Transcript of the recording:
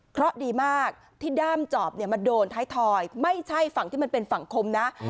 เพราะดีมากที่ด้ามจอบมาโดนท้ายทอยไม่ใช่ฝั่งที่มันเป็นฝั่งคมนะ